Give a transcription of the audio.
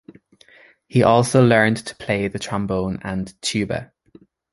He also learned to play the trombone and tuba.